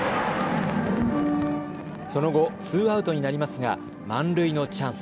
その後、ツーアウトになりますが満塁のチャンス。